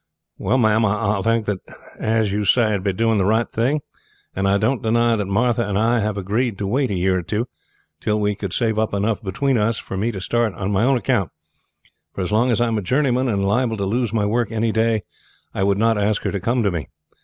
"Well, ma'am, I think that, as you say, it would be doing the right thing; and I don't deny that Martha and I have agreed to wait a year or two, till we could save up enough between us for me to start on my own account; for as long as I am a journeyman, and liable to lose my work any day, I would not ask her to come to me.